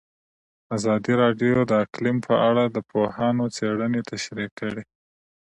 ازادي راډیو د اقلیم په اړه د پوهانو څېړنې تشریح کړې.